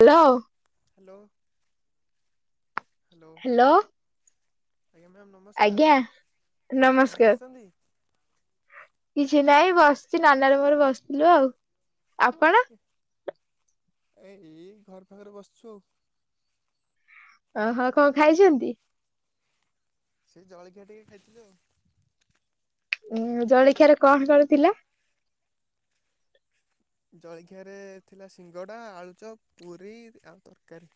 Hello hello hello ଆଜ୍ଞା ma'am ନମସ୍କାର ଆଜ୍ଞା କଣ ନମସ୍କାର କରୁଛନ୍ତି? କିଛି ନାଇଁ ବସିଛି ନାନା ର ମୋର ବସିଥିଲୁ ଆଉ ଆପଣ? ଏଇ ଘର ପାଖରେ ବସିଛୁ ଆଉ। ଓହୋ କଣ ଖାଇଛନ୍ତି? ସେଇ ଜଳଖିଆ ଟିକେ ଖାଇଥିଲୁ ଆଉ। ଉଁ ଜଳଖିଆରେ କଣ କଣ ଥିଲା? ଜଳଖିଆରେ ଥିଲା ସିଙ୍ଗଡ଼ା ଆଳୁଚପ ପୁରୀ ଆଉ ତରକାରୀ।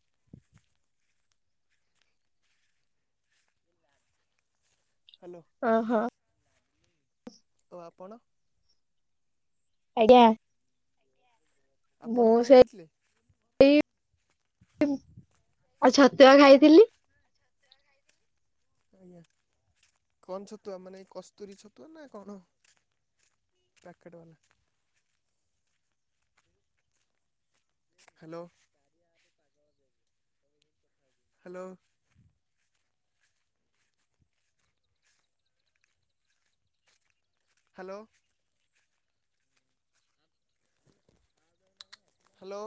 ହ୍ୟାଲୋ ଓହୋ ଆଉ ଆପଣ ଆଜ୍ଞା ଆପଣ ମୁହୁ କଣ ସେ ଖାଇଥିଲେ? ଏଇ ଆଉ ଛତୁଆ ଖାଇଥିଲି ଆଜ୍ଞା କଣ ଛତୁଆ ମାନେ ଏଇ କସ୍ତୁରୀ ଛତୁଆ ନା କଣ। ପ୍ୟାକେଟ ବାଲା hello hello hello hello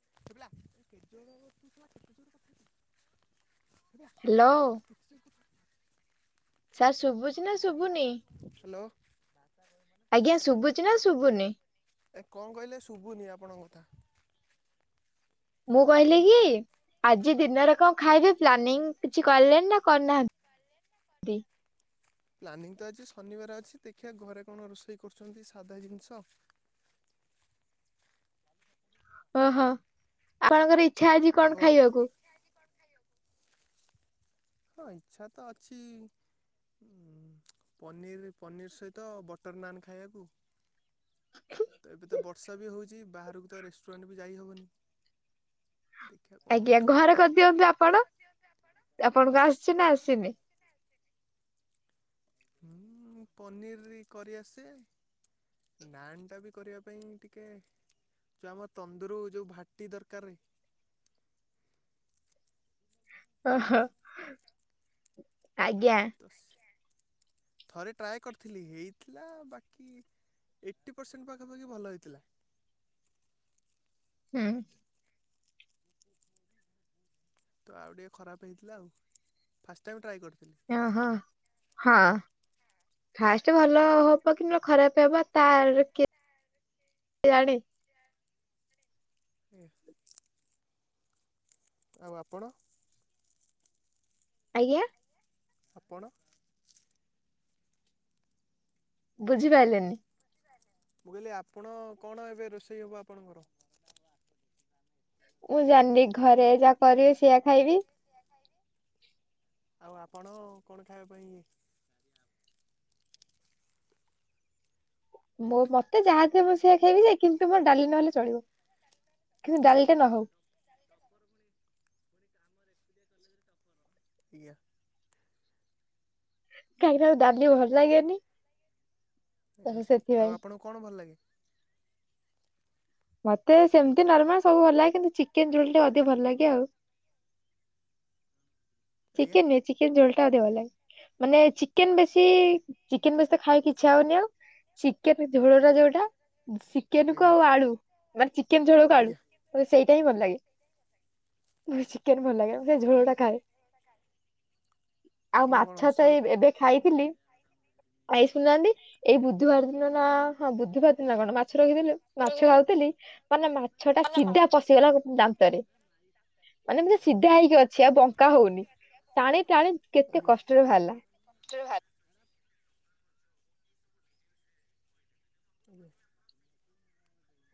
[unintelligible] hello [unintelligible] sir ଶୁଭୁଛି ନା ଶୁଭୁନି? ହାଲୋ। ଆଜ୍ଞା ଶୁଭୁଚି ନା ଶୁଭୁନି? ଏ କଣ କହିଲେ ଶୁଭୁନି ଆପଣଙ୍କ କଥା। ମୁଁ କହିଲି କି ଆଜି ଦିନରେ କଣ ଖାଇବେ ପ୍ଲାନିଂ କିଛି କିଲେଣି ନା କରିନାହାନ୍ତି। ପ୍ଲାନିଂ ତ ଅଛି ଶନିବାର ଅଛି ଦେଖିବା ଘରେ କଣ ରୋଷେଇ କରୁଛନ୍ତି ସାଧା ଜିନିଷ। ଓହୋ ଆପଣଙ୍କର ଇଛା ଆଜି ଆଉ କଣ ଆପ ଖାଇବାକୁ? ହଁ ଇଛା ତ ଅଛି। ପନିର୍ ପନିର ସହିତ ବଟର୍ ନାନ୍ ଖାଇବାକୁ। ତ ଏବେ ତ ବର୍ଷା ବି ହଉଚି ବାହାରକୁ ତ ରେଷ୍ଟୁରାଣ୍ଟ ବି ଯାଇହବନି। ଆଜ୍ଞା ଘରେ କରିଦିଅନ୍ତୁ ଆପଣ, ଆପଣଙ୍କୁ ଆସଚି ନା ଆସିନି? ହୁଁ ପନିର କରି ଆସେ। ନାନ୍ ଟା ବି କରିବା ପାଇଁ ଟିକେ ଯୋଉ ଆମ ତନ୍ଦୁର ଯୋଉ ଭାଟି ଦରକାର ରେ [inaudible] ଓହୋ ଆଜ୍ଞା। ତ ଥରେ ଟ୍ରାଏ କରିଥିଲି ହେଇଥିଲା ବାକି ଏଇଟି ପରସେଣ୍ଟ ପାଖାପାଖି ଭଲ ହେଇଥିଲା। ହୁଁ। ତ ଆଉ ଟିକିଏ ଖରାପ ହେଇଥିଲା ଆଉ ଫାଷ୍ଟ ଟାଇମ୍ ଟ୍ରାଏ କରିଥିଲି। ଓହ ହଁ। ଫାଷ୍ଟ ଭଲ ହବ କି ଖରାପ ହବ ତାର କେ ଜାଣି ହୁ। ଆଉ ଆପଣ? ଆଜ୍ଞା। ଆପଣ ବୁଝିପାରିଲିନି। ମୁଁ କହିଲି ଆପଣ କଣ ଏବେ ରୋଷେଇ ହବ ଆପଣଙ୍କର? ମୁଁ ଜାଣିନି ଘରେ ଯାହା କରିବି ସେଇଆ ଖାଇବି। ଆଉ ଆପଣ କଣ ଖାଇବା ପାଇଁ ମୋ ମତେ ଯହାଥିବ ମୁଁ ସେଇଆ ଖାଇବି ଯେ କିନ୍ତୁ ମର ଡାଲି ନହେଲେ ଚଳିବ। କିନ୍ତୁ ଡାଲିଟା ନ ହଉ। ଆଜ୍ଞା। ଖାଇବାକୁ ଡାଲି ଭଲ ଲାଗେନି। ତ ଆଜ୍ଞା ଆଉ ସେଥିପାଇଁ ଆପଣଙ୍କୁ କଣ ଭଲ ଲାଗେ? ମତେ ସେମିତି ନର୍ମାଲ ସବୁ ଭଲ ଲାଗେ କିନ୍ତୁ ଚିକେନ ଝୁଳ ଟିକେ ଅଧିକ ଭଲ ଲାଗେ ଆଉ। ଆଜ୍ଞା ଚିକେନ ନୁହେଁ ଚିକେନ୍ ଝୋଳ ଟା ଅଧିକ ଭଲ ଲାଗେ। ମାନେ ଚିକେନ ବେଶୀ ଚିକେନ ବେଶୀ ତ ଖାଇ କିଛି ଆଉନି ଆଉ। ଚିକେନ ଝୋଳଟା ଯୋଉଟା ଚିକେନ କୁ ଆଜ୍ଞା ଆଉ ଆଳୁ ମାନେ ଚିକେନ ଝୋଳକୁ ଆଳୁ। ଆଜ୍ଞା ମୋତେ ସେଇଟା ହିଁ ଭଲ ଲାଗେ, ମ ଚିକେନ ଭଲ ଲାଗେ ମୁଁ ସେ ଝୋଳଟା ଖାଏ।। [inaudible] ଆଉ କଣ ମାଛ ତ ସନ୍ ଏଇ ଏବେ ଖାଇଥିଲି ଆଉ ଏଇ ଶୁଣୁହାନ୍ତି ଏଇ ବୁଧବାର ଦିନ ନା ହଁ ବୁଧବାର ଦିନ କଣ ମାଛ ରଖିଦେଲୁ ମାଛ ଖାଉଥିଲି ମାନେ ମାଛ ଟା ସିଧା ପ ପସିଗଲା ଦାନ୍ତରେ ମାନେ ଏମିତି ସିଧା ହେଇକି ଅଛି ଆଉ ବଙ୍କା ହଉନି। ଟାଣି ଟାଣି କେତେ ଆଜ୍ଞା। କଷ୍ଟରେ ବାହାରିଲା। [unintelligible] ଆଜ୍ଞା।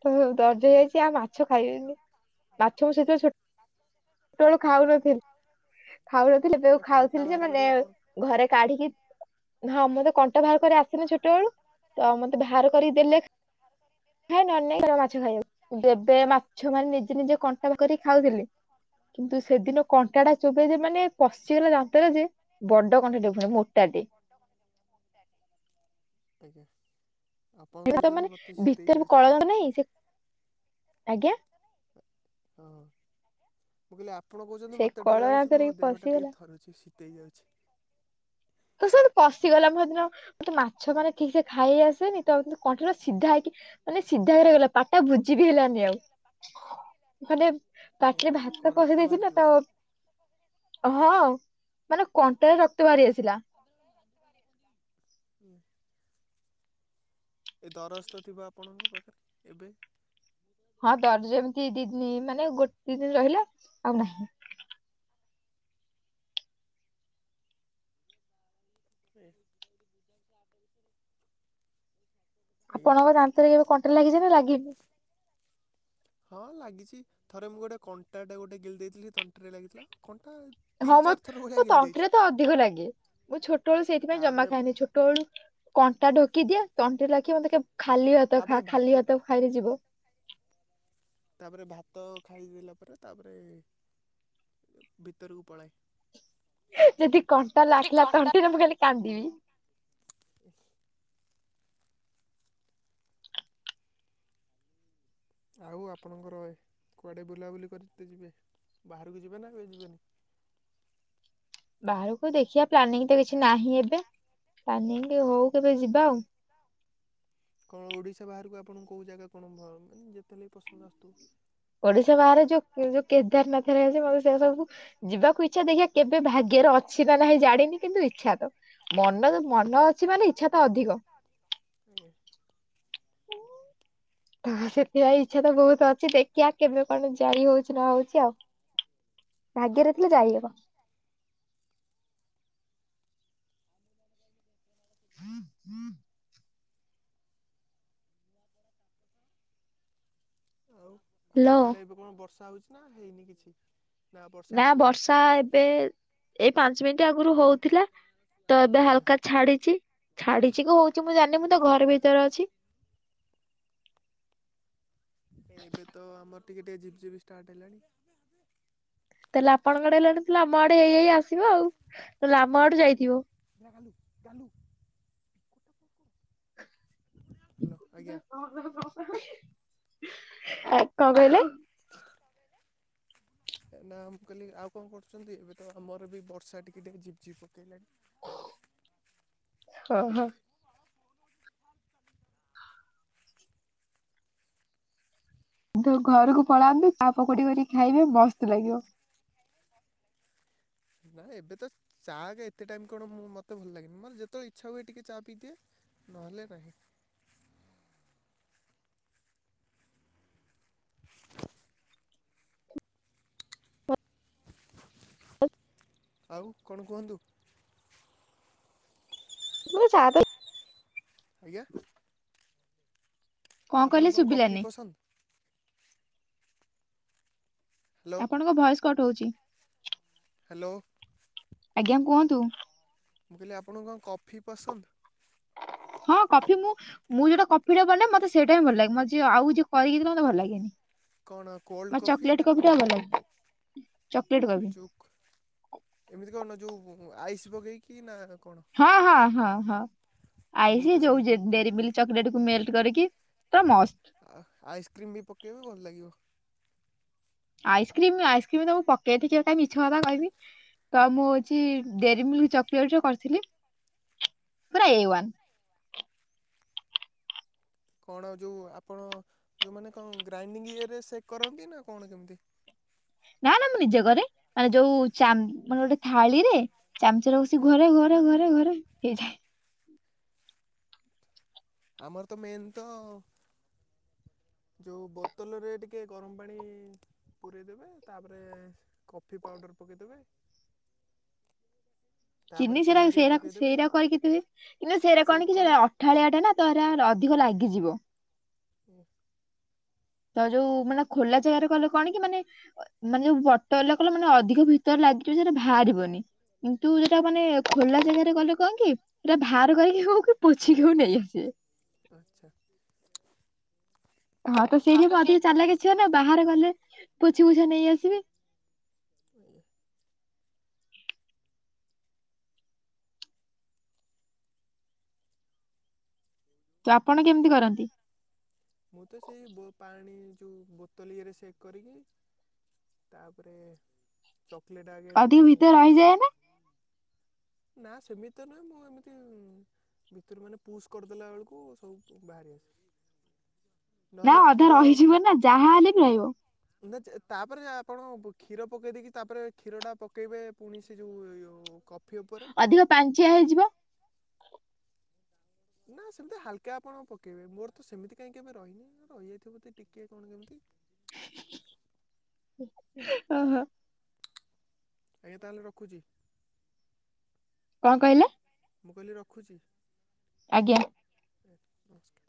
ତ ଦର୍ଜ ହେଇଯାଇଚି ଆଉ ମାଛ ଖାଇବନି ମାଛ ମୁଁ ସେଥି ଛୋଟ ଛୋଟ ବେଳୁ ଖାଉନଥିଲି ଖାଉନଥିଲି ଏବେ ଏ କଣ୍ଟା ଖାଉଥିଲି ଯେ ବାହାର କରି ମାନେ ଆପଣ ଘରେ କାଢିକି ହଁ ମୁଁପା କଣ୍ଟା ବାହାର କରି ଆସେନି ଛୋଟ ବେଳୁ ତ ମତେ ବାହାର କରିକି ଦେଲେ ଖାଏ ନଲେ [unintelligible] ଦେବେ ମାଛ ମାନେ ନିଜେ ନିଜେ କଣ୍ଟା ବାହାର କରିକି ଖାଉଥିଲି କିନ୍ତୁ ସେଦିନ କଣ୍ଟା ଟା ଚୋବେଇ ଦେବି ମାନେ ପଶିଗଲା ଦାନ୍ତରେ ଯେ ବଡ କଣ୍ଟାରେ ଫୁଣି ମୋଟାଟେ। ବଡ କଣ୍ଟା ଆଜ୍ଞା। ଆପଣ ଭିତରେ କହୁଛନ୍ତି ମତେ ଶୀତେଇ ମାନେ ଯାଉଛି କଳ ଦାନ୍ତ ନାଇଁ ସେଇ ଆଜ୍ଞା। ହଁ। ମୁଁ କହିଲି ଆପଣ କହୁଚନ୍ତି ସେ ମତେ କଳ ଡର ଲାଗୁଚି ଦାନ୍ତରେ ମୋ ଦେହଟା ପଶିଗଲା ଟିକେ ଥରୁଚି ଶୀତେଇ ଯାଉଚି। ତ ସେଠୁ ପଶିଗଲା ମୋ ସେ ଦିନ ମତେ ମାଛ ମାନେ ଠିକ ସେ ଖାଇ ଆସେନି ତ କଣ୍ଟାଟା ସିଧା ହେଇକି ମାନେ ସିଧା ହେଇକି ରହିଗଲା ପାଟିଟା ବୁଝି ବି ହେଇଲାନି ଆଉ। ମାନେ ଏ ପାଟିରେ କଣ ଭାତ ରକ୍ତ ପଶେଇ ଦେଇଚି ନା ବାହାରିଥିବ? ତ ହଁ ମାନେ କଣ୍ଟାରେ ରକ୍ତ ବାହାରି ଆସିଲା। [unintelligible] ଏ ଦରଜ ତ ଥିବ ଆପଣଙ୍କ ପାଖରେ ଏବେ? ହଁ ଦରଜ ଏମିତି ଦି ଦିନି ମାନେ ଗୋଟେ ଦି ଦିନି ରହିଲା ଆଉ ନାହିଁ। [unintelligible] ଆଜ୍ଞା। ଆପଣଙ୍କ ଦାନ୍ତରେ କେବେ କଣ୍ଟେ ଲାଗିିଚି ନା ଲାଗିନି? ହଁ ଲାଗିଚି ଥରେ ମୁଁ ଗୋଟେ କଣ୍ଟାଟା ଗୋଟେ ଗିଳି ଦେଇଥିଲି ସେ ତଣ୍ଟିରେ ଲାଗିଥିଲା। କଣ୍ଟା ହଁ ତିନି ମ ଚାରି ଥର ଭଳିଆ ମୋ ଗିଲି ଦେଇଛି ତଣ୍ଟିରେତ ଅଧିକ ଲାଗେ ମୁଁ ଛୋଟବେଳୁ ସେଇଥିପାଇଁ ଜମା ତାପରେ ଖାଏନି। ଛୋଟବେଳୁ କଣ୍ଟା ଢୋକି ଦିଏ ତଣ୍ଟିରେ ଲାଖିବ ମତେ ଖାଲି ଭାତ ଖାଲି ଭାତ ଖାଇଲେ ଯିବ। ତାପରେ ଭାତ ଖାଇଦେଲା ପରେ ତାପରେ ଭିତରକୁ ପଳାଏ। ଯଦି କଣ୍ଟା ଲାଗିଲା ତଣ୍ଟିରେ ମୁଁ ଖାଲି କାନ୍ଦିବି। [unintelligible] ଆଉ ଆପଣଙ୍କର କୁଆଡ଼େ ବୁଲାବୁଲି କରିତେ ଯିବେ ବାହାରକୁ ଯିବେ ନା କେବେ ଯିବେନି? ବାହାରକୁ ଦେଖିବା ପ୍ଲାନିଂ ତ କିଛି ନାହିଁ ଏବେ ପ୍ଲାନିଂ ହଉ କେବେ ଯିବା ଆଉ। କଣ ଓଡ଼ିଶା ବାହାରକୁ ଆପଣଙ୍କୁ କୋଉ ଜାଗା କଣ ମାନେ ଯେତେ ହେଲେବି ପସନ୍ଦ ଆସୁଥିବ? ଓଡିଶା ବାହାରେ ଯୋଉ ଯୋଉ କେଦାରନାଥ ଘରିକା ଅଛି ମତେ ସେ ସବୁ ଯିବାକୁ ଇ ଚ୍ଛା ଦେଖିବା କେବେ ଭାଗ୍ୟର ଅଛି ନା ନାହିଁ ଜାଣିନି କିନ୍ତୁ ଇଚ୍ଛା ତ ମନ ମନ ଅଛି ମାନେ ଇଚ୍ଛା ତ ଅଧିକ। ଆଜ୍ଞା। [inaudible] ତ ସେଥିପାଇଁ ଇଚ୍ଛା ତ ବହୁତ ଅଛି ଦେଖିବା କେବେ କଣ ଯାଇ ହଉଛି ନହଉଛି ଆଉ। ଭାଗ୍ୟରେ ଥିଲେ ଯାଇହବ। [unintelligible] ଆଉ ଆପଣ ହ୍ୟାଲୋ ଆଡେ ଏବେ କଣ ବର୍ଷା ହଉଛି ନା ହେଇନି କିଛି? ବର୍ଷା ନା ଆସିଲାଣି ବର୍ଷା ଏବେ ଏଇ ପାଞ୍ଚ ମିନିଟ ଆଗରୁ ହଉଥିଲା ତ ଏବେ ଆଜ୍ଞା। ହାଲକା ଛାଡିଛି, ଛାଡିଛି କି ହଉଛି ମୁଁ ଜାଣିନି ମୁଁ ତ ଘର ଭିତରେ ଅଛି। ଏବେ ତ ଆମର ଟିକେ ଟିକେ ଝିପି ଝିପି ଷ୍ଟାର୍ଟ ହେଲାଣି। ତାହେଲେ ଆପଣଙ୍କଡେ ହେଲେଣି ତ ଆମ ଆଡେ ହେଇ ହେଇ ଆସିବ ଆଉ। ନହଲେ ଆମ ଆଡୁ ଯାଇଥିବ। ଗାଲୁ ଗାଲୁ। ହ୍ୟାଲୋ ଆଜ୍ଞା। ଆ କଁ କହିଲେ? ନା ମୁଁ କହିଲି ଆଉ କଣ କରୁଛନ୍ତି? ଏବେ ତ ଆମର ବି ବର୍ଷା ଟିକେ ଟିକେ ଝିପଝିପ ପକେଇଲାଣି। ହଁ ହଁ। ତ ଘରକୁ ପଳାନ୍ତୁ ଚା ପକୁଡି କରି ଖାଇବେ ମସ୍ତ ଲାଗିବ। ନା ଏବେ ତ ଚା ଏତେ ଟାଇମ୍ କଣ ମୁଁ ମତେ ଭଲ ଲାଗେନି। ମୋର ଯେତେବେଳେ ଇଚ୍ଛା ହୁଏ ଟିକେ ଚା ପିଇଦିଏ। ନହେଲେ ନାହିଁ। ଆଉ କଣ କୁହନ୍ତୁ? ମୁଁ ଇ ଚା ପି। ଆଜ୍ଞା। କହିଲେ ଆପଣଙ୍କୁ କଣ କଫି ଶୁଭିଲାନି ପସନ୍ଦ? ହ୍ୟାଲୋ ଆପଣଙ୍କ ଭଏସ୍ କଟ ହଉଛି ହ୍ୟାଲୋ ଆଜ୍ଞା କୁହନ୍ତୁ। ମୁଁ କହିଲି ଆପଣ କଣ କଫି ପସନ୍ଦ? ହଁ କଫି ମୁଁ ମୁଁ ଯୋଟା କଫିଟା ବନାଏ ମତେ ସେଇଟା ହି ଭଲ ଲାଗେ ମତେ ଯିଏ ଆଉ ଯିଏ କରୀକି ଦିଏ ମତେ ଭଲ ଲାଗେନି। କଣ କୋଲ୍ଡ ଚକିଲେଟ୍ ନା କଫି କଣ ଭଲ ଲାଗେ ଚକିଲେଟ୍ କଫି। ଯୋଉ ଏମିତି କଣ ଯେଉ ଆଇସ୍ ପଗେଇକି ନା କଣ? ହଁ ହଁ ହଁ ହଁ। ମୁଁ ଆଇସି ତ ଯୋଉ ସେମିତି ଡେରି ମିକ୍ ଚକୋଲେଟ କୁ ମେଟ୍ ମେଲଟ୍ କରିକି ପୁରା ମଷ୍ଟ। ଆଇସ୍କ୍ରିମ୍ ବି ପକେଇବ ଭଲ ଲାଗିବ। ଆଇସ୍କ୍ରିମ ଆଇସ୍କ୍ରିମ ତ ମୁଁ ପକେଇିନି [inaudible] ମିଛ କଥା କହିବି। ତ ମୁଁ ହଉଛି ଡେରି ମିଲ୍ ଚକୋଲେଟ୍ କରିଥିଲି ପୁରା ଏ ୱନ୍। କଣ ଯେଉଁ ଆପଣ ଯେଉଁମାନେ କଣ ଗ୍ରାଇଣ୍ଡିଙ୍ଗ ଇଏରେ ସେକ୍ କରନ୍ତି ନା କଣ କେମିତି? ନା ନା ମୁଁ ନିଜେ କରେ ମାନେ ଯୋଉ ମାନେ ଗୋଟେ ଥାଳିରେ ଚାମଚ ରେ ବସିକି ଘୋରେ ଘୋରେ ଘୋରେ ଘୋରେ ହେଇଯାଏ। ଆମର ତ ମେନ୍ ତ ଯଉ ବୋତଲରେ ଟିକେ ଗରମ ପାଣି ପୂରେଇ ଦେବେ ତାପରେ କଫି ପାଉଡ଼ର ପକେଇଦେବେ। [inaudible] ଚିନି ସେରା ଟିକେ ସେରା ପକେଇଦେବେ ସେରା କରିକି ପିଏ ସେରା ସେକ୍ କଣ କି ଅ। କଲେ ଅଠାଳିଆ ଟା ନା ତ ଅଧିକ ଲାଗିଯିବ। ହୁଁ। ତ ଯୋଉ ମାନେ ଖୋଲା ଜାଗାରେ କଲେ କଣ କି ମାନେ ମାନେ ଯୋଉ ବଟଲ କଲେ ମାନେ ଅଧିକ ଭିତରେ ଲାଗିଯିବ ସେଇଟା ବାହାରିବନି। କିନ୍ତୁ ଯୋଟା ମାନେ ଖୋର୍ଲା ଜାଗାରେ ଗଲେ କଣ କି ସେରା ବାହାର କରକି ହଉ କି ପୋଛିିକି ହଉ ନେଇ ଆସିବେ। ଆଚ୍ଛା। ହଁ ତ ସେଇଠି ମୁଁ ଅଧିକ ଚାଲାକେ ଝିଅ ନା ବାହାରେ ଗଲେ ପୋଛି ପୁଛା ନେଇ ଆସିବି। [unintelligible] ତ ଆପଣ କେମିତି କରନ୍ତି? ମୁଁ ତ ସେଇ ବୋ ପାଣି ଯେଉଁ ବୋତଲ ଇଏରେ ସେକ୍ କରିକି। ତାପରେ ଚକୋଲେଟ ଆଗେ ଆସେ ଅଧିକ ଯୋଉ। ଭିତରେ ରହିଯାଏ ନା ନା ସେମିତି ତ ନୁହେଁ ମୁଁ ଏମିତି ଭିତରୁ ମାନେ ପୁସ୍ କରିଦେଲା ବେଳକୁ ସବୁ ବାହାରି ଆସେ। ନା ନହେଲେ ଅଧା କ୍ଷୀର ରହିଯିବ ନା ଯାହାହେଲେ ବି ରହିବ। ନା ଯେ ତାପରେ ଯା ଆପଣ କ୍ଷୀର ପକେଇ ଦେଇକି ତାପରେ କ୍ଷୀର ଟା ପକେଇବେ ପୁଣି ସେ ଯୋଉ କ ଫି ଉପରେ ଅଧିକ ପାଞ୍ଚିଆ ହେଇଯିବ। ନା ସେମିତି ହାଲକା ଆପଣ ପକେଇବେ, ମୋର ତ ସେମିତି କାହିଁ କେବେ ରହିନି, ରହିଯାଇଥିବ ଟିକେ କଣ କେମିତି। ଓହୋ। ଆଜ୍ଞା ତାହେଲେ ରଖୁଛି। କଣ କହିଲେ? ମୁଁ କହିଲି ରଖୁଛି। ଆଜ୍ଞା। ନମସ୍କାର।